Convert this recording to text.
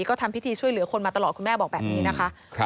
ก็ทำพิธีช่วยเหลือคนมาตลอดคุณแม่บอกแบบนี้นะคะ